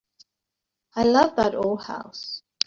I love that old house.